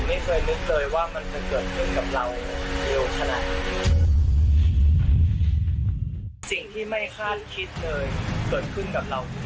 กลับกลายเป็นไซส์ไม่ใช่เท่าลูกฟิงพองอย่างที่ตอนแรกพริกพลาสกันไว้